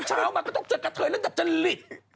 เช้ามาก็ต้องจะกะเทยแล้วจะหลีด